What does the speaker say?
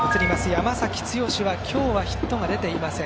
山崎剛は今日はヒットが出ていません。